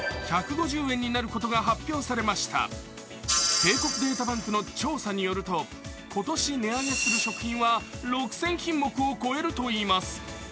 １５０円になることが発表されました帝国データバンクの調査によると今年値上げする食品は６０００品目を超えるといいます。